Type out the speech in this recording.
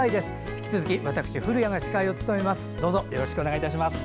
引き続き私、古谷が司会を務めます。